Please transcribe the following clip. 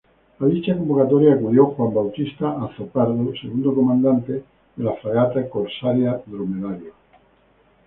A dicha convocatoria acudió Juan Bautista Azopardo, segundo comandante de la Fragata Corsaria Dromedario.